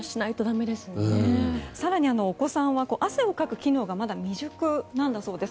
更に、お子さんは汗をかく機能がまだ未熟なんだそうです。